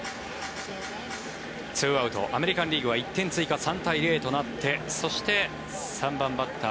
２アウトアメリカン・リーグは１点追加３対０となってそして３番バッター